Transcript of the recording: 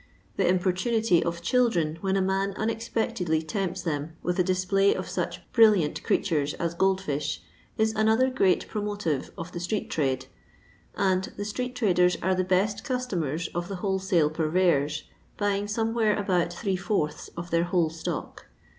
The importunity of children when a man unexpectedly tempts them with a display of such brilliant creatures as gold fish, is another great promotive of the street trade ; and the street traders arc the best customers of the wholesale purveyors, bnying somewhere about three fourths of their whole stock.